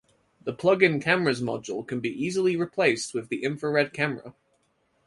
The plug-in cameras module can be easily replaced with the infrared camera.